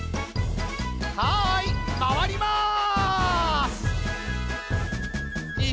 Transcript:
はいまわります！